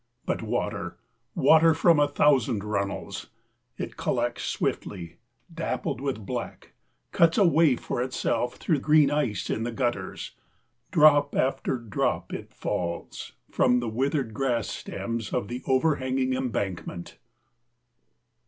But water, water from a thousand runnels! It collects swiftly, dappled with black cuts a way for itself through green ice in the gutters. Drop after drop it falls from the withered grass stems of the overhanging embankment.